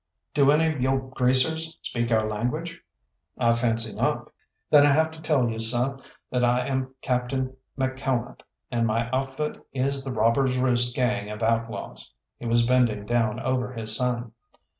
"Do any of yo' greasers speak our language?" "I fancy not." "Then I have to tell you, seh, that I am Captain McCalmont, and my outfit is the Robbers' Roost gang of outlaws." He was bending down over his son.